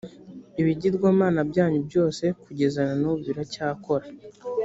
ibigirwamana byanyu byose kugeza na n ubu biracyakora